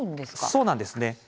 そうなんですね。